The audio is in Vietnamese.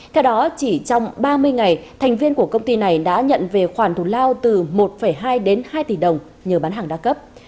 theo đó chỉ trong ba mươi ngày thành viên của công ty này đã nhận về khoản thủ lao từ một hai đến hai tỷ đồng nhờ bán hàng đa cấp